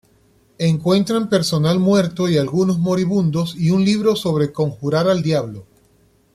Encuentran personal muerto y algunos moribundos y un libro sobre conjurar al Diablo.